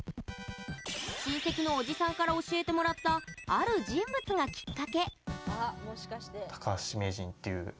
親戚のおじさんから教えてもらったある人物がきっかけ。